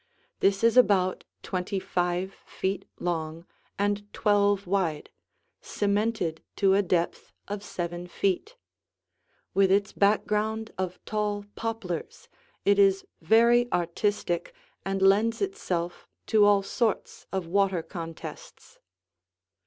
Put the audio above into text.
This is about twenty five feet long and twelve wide, cemented to a depth of seven feet; with its background of tall poplars it is very artistic and lends itself to all sorts of water contests.